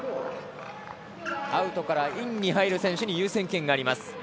アウトからインに入る選手に優先権があります。